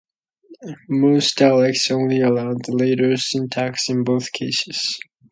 Most dialects only allow the later syntax in both cases.